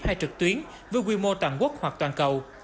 hay trực tuyến với quy mô toàn quốc hoặc toàn cầu